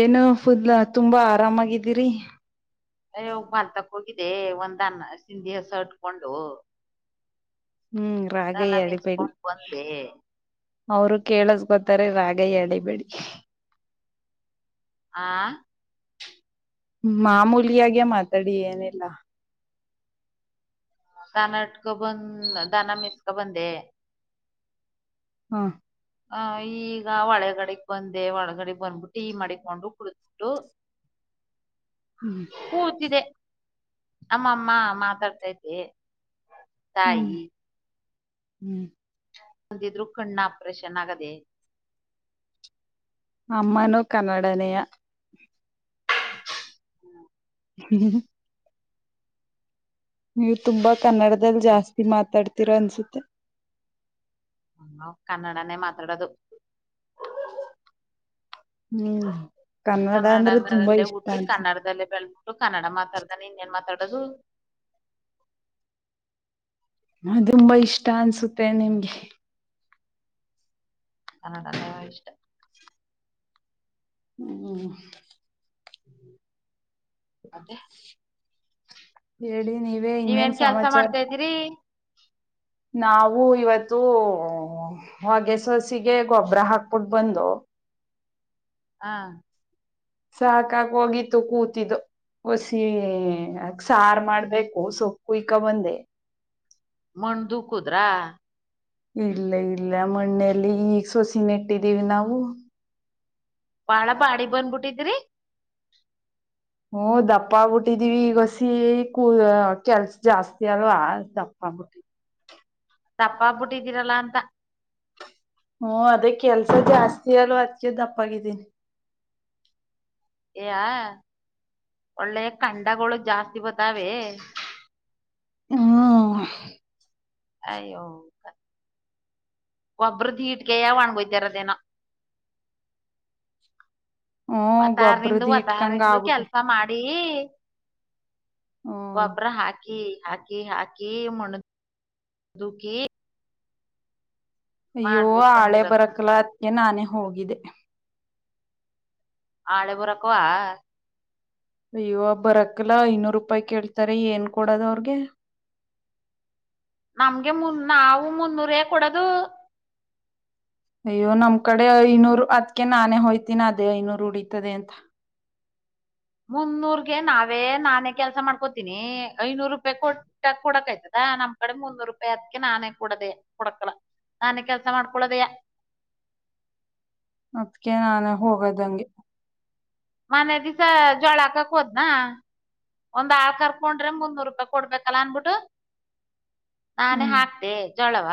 ಏನು ಫುಡ್ ತುಂಬಾ ಆರಾಮಾಗಿದ್ದೀರಿ. ಅಯ ಹೋಗ ಮಾಲ್ತಕ್ ಹೋಗಿದ್ದೆ ಒಂದನ್ ಸಿಂಧಿಸ ಉಟ್ಕೊಂಡು. ಹ್ಮ್ ರಾಗಯ್ಯಡಿಬೇಡಿ ಬಂದೆ ಅವರು ಕೇಳಸ್ ಗೊತ್ತ. ಕೇಳಿಸ್ಕೋತಾರೆ ರಾಗ ಹೇಳಿಬಿಡಿ. ಆ. ಮಾಮೂಲಿಯಾಗೆ ಮಾತಾಡಿ ಏನಿಲ್ಲ. ಕಾನಟ್ಕ ಬಂದ ದನ ಮೆಸ್ಕ ಬಂದೆ. ಹಾ. ಹ ಈಗ ಒಳಗಡೆಗ್ ಬಂದೆ ಒಳಗಡೆಗ್ ಬಂದ್ಬಿಟ್ಟು ಟಿ ಮಾಡಿಕೊಂಡು ಕುಡ. ಕೊಂಡು. ಹ್ಮ್ ಅಮ್ಮ ಅಮ್ಮ ಮಾತಾಡ್ತೈತೆ ಹ್ಮ್ ತಾಯಿ. ಹ್ಮ್. ಅಂದಿದ್ರು ಕಣ್ಣ ಆಪ್ರೇಷನ್ ಆಗದೆ. ಅಮ್ಮನು ಕನ್ನಡನೆಯಾ. ಹ್ಮ್, [inaudible] ನೀವ್ ತುಂಬಾ ಕನ್ನಡದಲ್ ಜಾಸ್ತಿ ಮಾತಾಡ್ತೀರಾ ಅನ್ಸುತ್ತೆ. ನಾವ್ ಕನ್ನಡನ್ನೆ ಮಾತಡದು. ಹ್ಮ್. ಕನ್ನಡ ಅಂದ್ರೆ ತುಂಬಾ ಅಂದ್ರದಲ್ಲೇ ಇಷ್ಟ ಹುಟ್ಟಿ ಅನ್ಸುತ್ತೆ ಕನ್ನಡದಲ್ಲೇ ಬೆಳ್ದು. ದು ಕನ್ನಡ ಮಾತಾಡ್ದೇನೇ ಇನ್ನೇನ್ ಮಾತಡದು. ಹ ತುಂಬಾ ಇಷ್ಟಾ ಅನ್ಸುತ್ತೆ ನಿಮ್ಗೆ. ಕನ್ನಡನೇವ ಇಷ್ಟಾ. ಹ್ಮ. ಮತ್ತೆ ಹೇಳಿ ನೀವೇ ಇನ್ನೇನ್ ನೀವೇನ್ ಕೆಲ್ಸ ಸಮಾಚಾರಾ. ಮಾಡ್ತಾ ಇದ್ದೀರಿ ನಾವು ಇವತ್ತು ಹೊಗೆ ಸೋಸಿಗೆ ಗೋಬ್ರಾ ಹಾಕ್ಬಿಟ್ಟು ಬಂದು. ಹಾ. ಸಾಕಾಗೋಗಿತ್ತು ಕೂತಿದ್ದು. ಒಸಿ ಸಾರ್ ಮಾಡ್ಬೇಕು ಸೊಪ್ ಕುಯ್ಕ ಬಂದೆ. ಮಣದು ಕುದ್ರಾ. ಇಲ್ಲ ಇಲ್ಲ ಮಣ್ಣೆಲ್ಲಿ ಈಗ್ ಸೊಸಿ ನೆಟ್ಟಿದ್ದೀವಿ ನಾವು. ಬಾಳ ಬಾಡಿ ಬಂದ್ಬಿಟ್ಟಿದ್ರಿ. ಹು ದಪ್ಪಾ ಆಗಬಿಟ್ಟಿದೀವಿ ಈಗೋಸಿ ಕೂ ಕೆಲ್ಸ ಜಾಸ್ತಿ ಅಲ್ವಾ ದಪ್ಪ. ಪ್ಪಾ ಆಗ್ಬಿಟ್ಟಿ. ದಪ್ಪಾಗ್ಬಟ್ಟಿದ್ದೀರಲ್ಲಾ ಅಂತಾ. ಹು ಅದೇ ಕೆಲ್ಸ ಜಾಸ್ತಿ ಅಲ್ವಾ ಅದ್ಕೆ ದಪ್ಪಾಗಿದ್ದೀನಿ. ಯಾ. ಒಳ್ಳೆಯ ಖಂಡಾಗೋಳ್ ಜಾಸ್ತಿ ಬತ್ತಾವೆ. ಹ್ಮ. ಅಯ್ಯೋ. ಗೊಬ್ಬ್ರಡ್ಗಿಗೆಯಾ ಒಣ್ಗೋಯತಿರಾದೆನೋ. ಹ್ಮ್ ಒತ್ತಾರ ನಿಂದು ಗೊಬ್ಬ್ರದ ಇಟ್ಕಂಗ ಒತ್ತಾರಿಂದು ಆಗ್ಬಿಟ್ಟ ಕೆಲ್ಸಾ ಮಾಡಿ. ಈ ಹ್ಮ್ ಗೋಬ್ರಾ ಹಾಕಿ. ಹಾಕಿ ಹಾಕಿ ಮನ್ ದುಖಿ. ಅಯ್ಯೋ ಆಳೆ ಬಂದಿರೋದು ಬರಕ್ಲ ಅದ್ಕೆ ನಾನೇ ಹೋಗಿದೆೆ. ಆಳೆ ಬುರಕವಾ. ಅಯ್ಯು ಬರಕಲ್ಲ ಐನೂರ್ ರೂಪಾಯಿ ಕೇಳ್ತಾರೆ ಏನ್ ಕೊಡದ ಅವ್ರಗೆ. ನಮ್ಗೆ ಮುನ್ ನಾವು ಮುನ್ನೂರೇ ಕೊಡದು. ಅಯ್ಯೋ ನಮ್ ಕಡೆ ಐನೂರು ಅದ್ಕೆ ನಾನೇ ಹೋಯ್ತೀನಿ ಅದೇ ಐನೂರ ಉಳಿತದೆ ಅಂತಾ. ಮುನ್ನೂರ್ಗೆ ನಾವೇ ನಾನೇ ಕೆಲ್ಸಾ ಮಾಡ್ಕೋತೀನಿ ಐನೂರು ರೂಪಾಯಿ ಕೊಟ್ಟ ಕೊಡಕ್ ಆಯ್ತದ. ನಮ್ ಕಡೆ ಮುನ್ನೂರೂಪ್ಯಾ ಅದಕ್ಕೆ ನಾನೇ ಕೂಡದೆೇ ಕೊಡಕಲ. ನಾನೇ ಕೆಲ್ಸಾ ಮಾಡ್ಕೊಳದೆಯಾ. ಅದ್ಕೆ ನಾನೇ ಹೋಗದಂಗೆ. ಮನ್ನೆ ದಿವಸಾ ಜ್ವಾಳಾ ಹಾಕಕೊದ್ನಾ. ಒಂದ್ ಆರ್ ಕರ್ಕೊಂಡ್ರೆ ಮುಂದ ನೂರು ರೂಪಾಯಿ ಕೊಡ್ಬೇಕಲ್ಲ ಅನ್ಬಿಟ್ಟು ನಾನೇ ಹ್ಮ್ ಹಾಕ್ತೆ ಜೊಳವ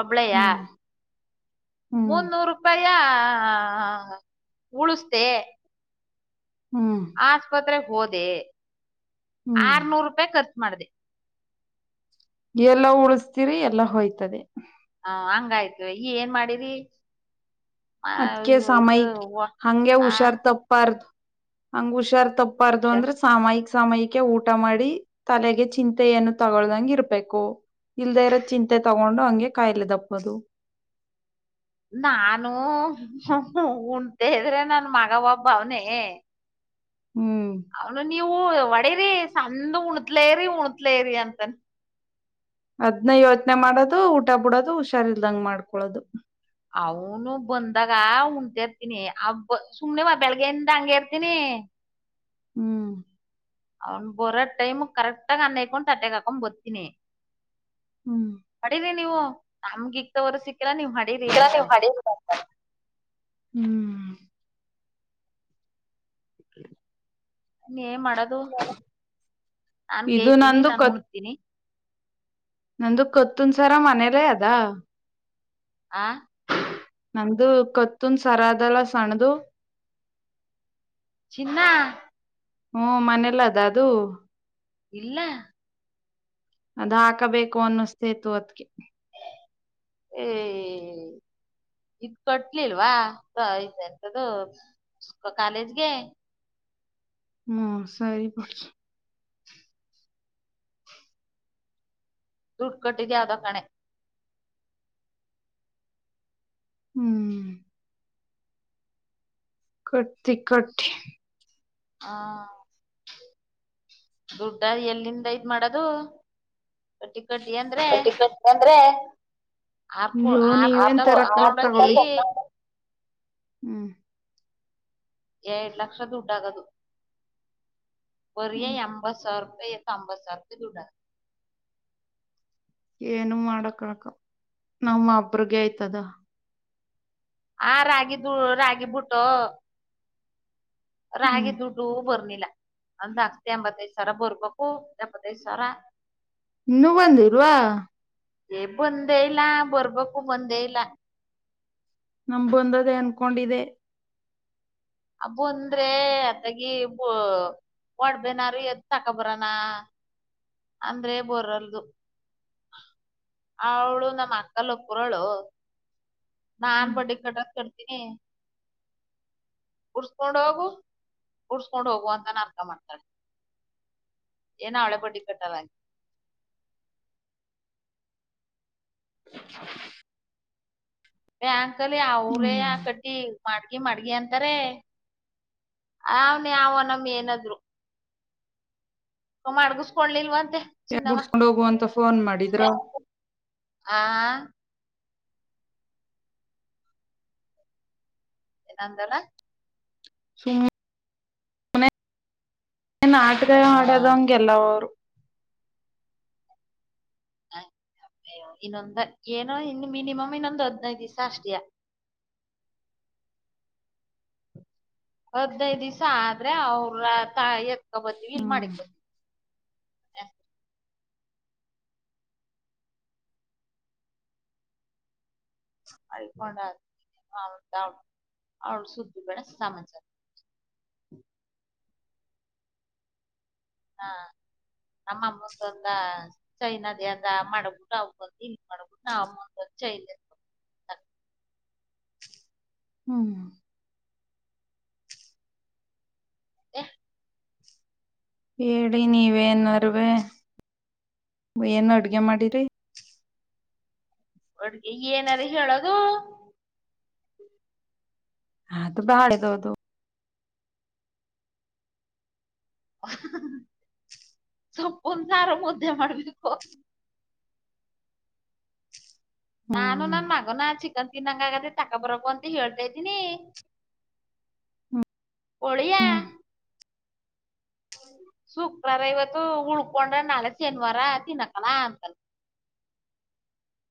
ಒಬ್ಳೆಯ ಹ್ಮ್ ಹ್ಮ್ ಮುನ್ನೂರು ರೂಪಾಯ ಉಳಿಸ್ದೆ ಹ್ಮ್ ಆಸ್ಪತ್ರೆಗ್ ಹೋದೆ ಹ್ಮ್ ಆರ್ನೂರು ರೂಪಾಯಿ ಖರ್ಚ ಮಾಡ್ದ ಎಲ್ಲ ಉಳಸ್ತೀರಿ ಎಲ್ಲ ಹೋಯ್ತದೆ ಹ ಹಂಗಯ್ತು ಈ ಏನ್ ಮಾಡಿರಿ ಆ, ಅದಕೆ ಅಯ್ಯೋ, ಇದು ಸಾಮಯಕ್ ವ- ಹಂಗೆ ಆ ಹುಷಾರ್ ತಪ್ಪಾರ್ ಹಂಗ ಹುಷಾರ್ ತಪ್ಪ ರು ಶ ಅಂದ್ರೆ ಸಾಮಯಿಕ ಸಮಯಕ್ಕೆ ಊಟ ಮಾಡಿ ತಲೆಗೆ ಚಿಂತೆಯನ್ನು ತಗೊಳದಂಗ ಇರ್ಬೇಕು ಇಲ್ದೇ ಇರೋ ಚಿಂತೆ ತಗೊಂಡು ಹಂಗೆ ಕಾಯಿಲೆ ದಪ್ಪದು ನಾನು ಉಂಡ್ತ ಇದ್ರೆ ನನ್ ಮಗ ಒಬ್ಬ ಅವನೇ ಹ್ಮ್ ಅವನು ನೀವು ಒಡೇರಿ ಸಂದ ಉಣತ್ಲೇರಿ ಉಣತ್ಲೇರಿ ಅಂತನ್ ಅದ್ನ ಯೋಚನೆ ಮಾಡೋದು ಊಟ ಬಿಡೋದು ಹುಷಾರ್ಲ್ದಂಗ ಮಾಡ್ಕೊಳೋದು ಅವನು ಬಂದಾಗ ಉಣಂತ ಇರ್ತೀನಿ ಆಬ ಸುಮ್ನೆವ ಬೆಳಗ್ಗೆಯಿಂದ ಹಂಗೆ ಇರ್ತನಿ ಹ್ಮ್ ಅವ್ನು ಬರೋ ಟೈಮ ಕರೆಕ್ಟಾಗಗ ಅನ್ನಕೊಂಡು ತಟ್ಟೆೆಗೆ ಹಾಕೊಂಡ್ ಬತೀನಿ ಹ್ಮ್ ಅಡಿೀರಿಿ ನೀವು ನಮ್ಗೆಿತವರ ಸಿಕ್ಕ ಕೆ ಹ ಹ್ಮ್ ಹ್ಮ ನೀ ಏನ್ ಮಾಡೋದು ನಾನ್ ಇದು ಗೇಯ್ತೀನಿ ನಂದು ನಾನು ಕತ್ ಉಣತೀನಿ ನಂದು ಕೊತನ್ಸರ ಮನರೇ ಅದಾ ಆ ಅದು ಕತ್ತನ್ ಸರದೆಲ್ಲ ಸಣ್ಣದು ಚಿನ್ನ ಹ್ಮ ಮನೆಯಲ್ಲ ಅದ ಅದು ಇಲ್ಲ ಹಾಕಬೇಕು ಅನಿಸ್ತಿದೆ ಇವತ್ತಿಗೆ ಹೆಂ... ಇದು ಕಟ್ಲಿಲ್ಲ ವಇಂತ ಕಾಲೇಜಗೆ ಹ್ಮ ಸರಿ ಪಡ್ ದುಡ್ಡುಕಟ್ಟಿದ್ದು ಅದು ಕಣೆ ಹ್ಮ್ ಕಡ್ಟ್ಟಿ ಕಟ್ಟಿ ಹಾ ದುಡ್ಡ ಎಲ್ಲಿಂದ ಇದು ಮಾಡೋದು ಕಟ್ಟಿ ಕಟ್ಟಿ ಅಂದ್ರೆ ಬಡ್ಡಿ ಕಟ್ ಬಂದರೆ ಆರ್ ಕು ಅಯ್ಯೋ ಆರ್ ನೀವು ಪುಟ್ಟ ಸೊಪ್ಪ ತಗೊಂಡೋಗಿ ಏನು [unintelligible] ಏಳ ಲಕ್ಷ ದುಡ್ ಆಗದು ಒರಿ ಹ್ಮ್ ಎಂಬತ್ತು ಸಾವಿರ ಯ ತಂಬಸರ್ ದುಡಕು ಏನು ಮಾಡಕ್ಕಾಗಲ್ಲ ನಮ್ಮ ಬೇಗ ಇದ್ದದು ಹಾ ರಾಗಿದು ರಾಗಿ ಬುಟ್ಟು ರಾಗಿ ಹ್ಮ್ ದುಡ್ಡು ಬರ್ನಿಲ್ಲ ಒಂದ್ ಅಗ್ತ ಎಂಬತ್ತೈದ್ ಸಾವರ ಬರ್ಬೇಕು ಎಪ್ಪತ್ತೈದ್ ಸಾವಿರ ಇನ್ನುೂ ಒಂದರುವ ಏ ಬಂದೇ ಇಲ್ಲ ಬರ್ಬೇಕು ಬಂದೇ ಇಲ್ಲ ನಮ ಬಂದದೇ ಅನ್ಕೊಂಡಿದೆೆ ಅಬ್ಬು ಅಂದ್ರೆ ಅದಾಗಿಬ ಒಡ್ಬೇನಾರು ಎದ ತಕೊಬರಾನ ಅಂದ್ರೆ ಬರಲ್ದು ಅವಳು ನಮ್ಮ ಅಕ್ಕಲ್ಲ ಪುರಳು ನಾನ್ ಹ್ಮ್ ಬಡ್ಡಿ ಕಟ್ಟಕ್ ಕಡ್ತೀನಿ. ಬುಡ್ಸ್ಕೋಂಡ್ ಹೋಗು ಬುಡಸ್ಕೊಂಡ ಹೋಗು ಅಂತಾ ನಾಟ್ಕಾ ಮಾಡ್ತಾರೆ. ಏನೂ ಹಳೆ ಬಡ್ಡಿ ಕಟ್ಟಲ್ಲಾ. [unintelligible] ಬ್ಯಾಂಕಲ್ಲಿ ಅವ್ರೆಯಾ ಹ್ಮ್ ಕಟ್ಟಿ. ಮಾಡ್ಗಿ ಮಾಡ್ಗಿ ಅಂತಾರೆ ಅವನ್ ಯಾವನೋ ಮೇನಾದ್ರು. ಮಡಗಿಸಸ್ಕೊಳಿಲ್ವ. ಯಾಕ್ ಬುಡ್ಸ್ಕೊಂಡ್ ಹೋಗು ಅಂತಾ ಫೋನ್ ಮಾಡಿದ್ರ. ಆ. ಏನಂದೆಲಾ. ಸ ಮನ [unintelligible] ನ್ ಆಟಗ ಹಾ ಆಡ್ಯದಂಗೆ ಎಲ್ಲ ಅವರು ಹ್ಮ ಅಯ್ಯೋ ಇನ್ನೊಂದ ಏನೋ ಇನ್ನು ಮಿನಿಮಮ್ ಇನ್ನೊಂದ್ ಹದ್ನೈದು ದಿವಸ ಅಷ್ಟಯ [unintelligible] ಹದ್ನೈದ್ ದಿವ್ಸ ಆದ್ರೆ ಅವ್ರ ತ ಎತ್ಕೊಬತ್ತೀವಿ ಇಲ್ ಹ್ಮ್ ಮಾಡಿಕ್ ಬತಿವಿ ಯಾ ಮಾಡಳ್ಕೊಂಡ ಅವ ಅವಳ ಸುದ್ದಿ ಬೆಡ ಸಮಚ ಆ ಹ [unintelligible] ಹಾ ನಮ್ಮಮ್ಮಂತ ಒಂದ ಸೈನದ ಅ ಅಮ್ಮ ಮಾಡಬಿಟ್ಟ ಅವಂತ ಮಾಡಬಿಟ್ಟ ಅಮ್ಮ [unintelligible] ಹ್ಮ್ ಯಾ ಹೇಳಿ ನೀವೇ ಏನಾರುವುವೆ ಏನು ಅಡ್ಗೆ ಮಾಡಿರಿ ಹಡ್ಗೆ ಏನಾರ ಹೇಳೋದು ಹಾ ತ ಬಾಳೆದುದು [unintelligible] ಸಪ್ಪೊಂದ್ಸಾರು ಮುದ್ದೆ ಮಾಡ್ಬೇಕಕ್ಕ ನಾನು ಹ್ಮ್ ನಮ್ಮಮ್ಮಾಗೋ ನ ಚಿಕ ತಿನ್ನಂಗಾಗಿದೆ ತಕೊ ಬರಬು ಅಂತ ಹೇಳ್ತಾ ಇದ್ದೀನಿ ಒಳೆಯಾ ಹ್ಮ್ ಶುಕ್ರವಾರ ಇವತ್ತು ಉಳ್ಕೊಂಡ್ರ ನಾಳೆ ಶನಿವಾರ ತಿನ್ನಕಲ್ಲ ಅಂತಲ್ ಹ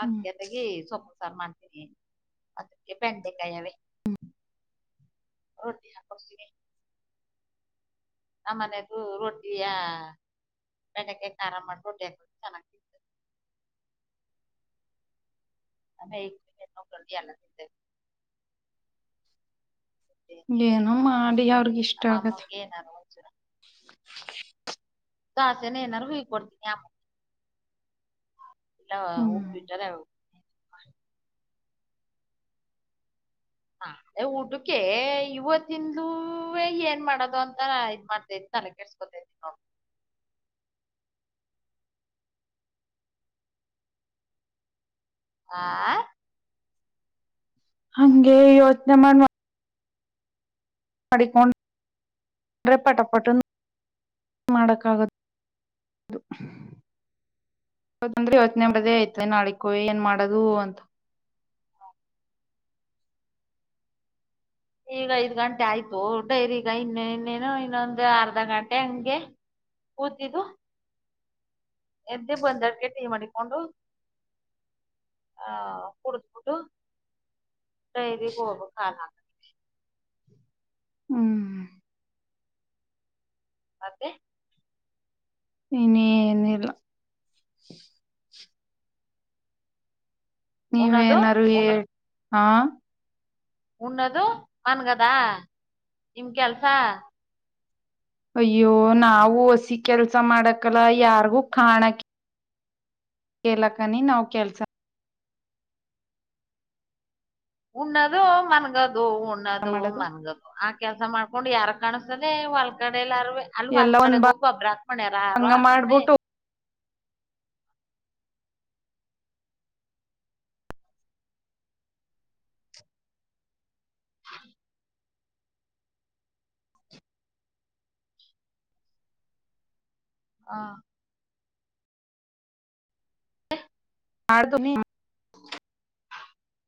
ಅದಕ್ಕೆ ಅತೆಗಿ ಸೊಪ್ಪು ಸಾರ್ ಮಾಡ್ತಿ ಅದ ಪೇಕಾವ [unintelligible] ಅವ ದ [unintelligible] ಕೊಸ ನಮ್ಮನೆದುು ರೊಟ್ಟಿಯಾ ಬೆಂಡೆಕಾಯಿ ಖಾರಾ ಮಾಡಟ್ಟ ಚೆನ್ನಾಗಿದೆ ಅ ನಕನ್ನಿದ್ದ [unintelligible] ಏನು ಮಾಡಿ ಯ ನಮ್ಮ ಅಮ್ಮನಿಗೆ ಏನಾರ ಒನ್ ಚೂರು ತಾಸ್ಯನ ನ ಹ ಕೊಡ್ತ ನೀ ನ ಹ್ಮ್ ಹಬ ಚಲ [unintelligible] ಹೇ ಊಟಕ್ಕೆ ಇವತ್ತಿಂದುವೆ ಏನ್ ಮಾಡೋದು ಅಂತ ಇದ್ ಮಾಡ್ತಾ ನ ಕೇಳ್ಸಕೊತೇ ಇದತೀನ [unintelligible] [unintelligible] ಆ ಹಂಗೆ ಯೋಚ್ನೆ ಮಾಡ ಮಾಡಡಿಕೊಂಡ ಅಂದ್ರೆ ಪಟಪಟ್ಟು ಮಾಡಕ್ಕಾಗದು ಇಂದ್ರೆ ಇವತ್ ನಡ್ದೇ ಐ್ತ ನಾಳಕ್ಕು ಏನ್ ಮಾಡದು ಅಂತ ಈಗ ಐದು್ ಗಂಟೆ ಆಯ್ತು ದೋಡ್ಡೈರಿ ಈಗ ಇನ್ನ ಇನ್ನೇನು ಇನ್ನೊಂದು ಅರ್ಧ ಗಂಟೆ ಹಂಗೆ ಓದಿದ್ದ ಎದ್ದೇ ಬಂದ ಕೆ ಟೈ ಮಾಡ ಹಕೊಂಡು ಆ ಕುಡಬಟ್ಟು ಇರಿೋೋಗ ಹಾ ಹ್ಮ್ ಅತ್ತೆ ಇನ್ನೆನಿಲ್ಲ. ನೀವೇ ಉಣ್ಣೋದು ಏನಾರು ಹೇಳ್ ಹಾ. ಉಣ್ಣಾದು ಮನ್ಗದ ನಿಮ್ ಕೆಲ್ಸ. ಅಯ್ಯೋ ನಾವೂ ಒಸಿ ಕೆಲ್ಸ ಮಾಡಕಲ್ಲ ಯಾರ್ಗೂ ಕಾಣಕಿ. ಕೆಲಕ್ಕನಿ ನಾವ್ ಕೆಲ್ಸ. ಉಣ್ಣದು ಮನ್ಗದು ಉಣ್ಣದು ಮಾಡೋದು ಮನ್ಗದು ಆ ಕೆಲ್ಸ ಮಾಡ್ಕೊಂಡು ಯಾರಗ್ ಕಾಣಸ್. ಹೊಲ್ ಕಡೆ ಎಲ್ಲಾರುವೆ ಅಲ್ ಎಲ್ಲ ಹೊಲ್ ಒಂದ್ ಕಡೆಗ್ ಹೋಗ್ ಗೊಬ್ರ ಹಾಕೊಂಡ್ ಯಾರಾರು ಭಂಗ ಹಾಕೋರೇ. ಮಾಡ್ಬಿಟ್ಟು [inaudible] ಹಾ. [inaudible] [unintelligible]